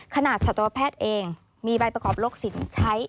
ขนาดศัตรูแพทย์เองมีใบประกอบโรคศิลป์ใช้